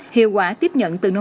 hiệu quả tiếp nhận từ nông dân